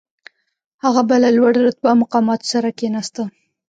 هغه به له لوړ رتبه مقاماتو سره کښېناسته.